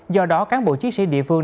do đó cán bộ chiến sĩ địa phương